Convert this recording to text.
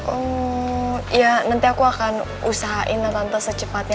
oh ya nanti aku akan usahain lah tante secepatnya